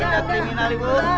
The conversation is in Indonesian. tidak kriminal ibu